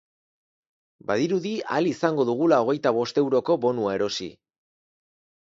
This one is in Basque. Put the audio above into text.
Badirudi ahal izango dugula hogeita bost euroko bonua erosi.